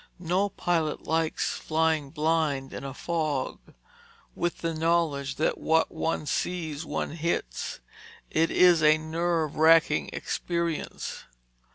No pilot likes flying blind in a fog. With the knowledge that what one sees, one hits, it is a nerve wracking experience.